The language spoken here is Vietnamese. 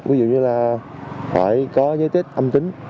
ví dụ như là phải có giới tích âm tính